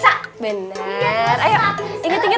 sebentar biar instan mencoba